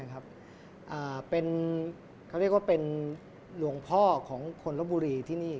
เขาเรียกว่าเป็นหลวงพ่อของคนลบบุรีที่นี่